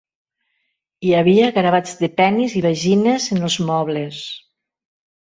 Hi havia gravats de penis i vagines en els mobles.